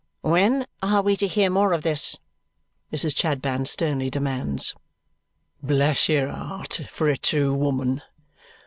"When are we to hear more of this?" Mrs. Chadband sternly demands. "Bless your heart for a true woman!